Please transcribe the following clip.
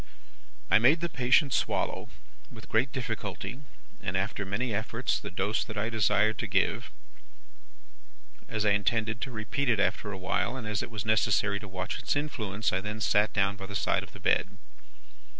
"I made the patient swallow, with great difficulty, and after many efforts, the dose that I desired to give. As I intended to repeat it after a while, and as it was necessary to watch its influence, I then sat down by the side of the bed.